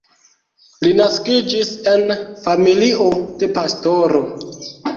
Li naskiĝis en familio de pastoro.